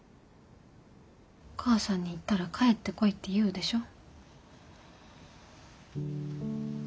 お母さんに言ったら帰ってこいって言うでしょ？